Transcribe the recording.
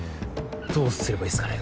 どうすればいいっすかね？